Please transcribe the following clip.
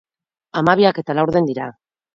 Hamabiak eta laurden dira.